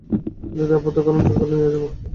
যদি আপত্তি করেন জোর করে নিয়ে যাব।